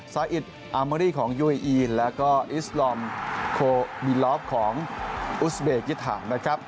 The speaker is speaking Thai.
ซาอิดอาเมอรี่ของยูเออีนแล้วก็อิสลอมโคมิลอฟของอุสเบกิฐานนะครับ